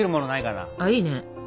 あいいね。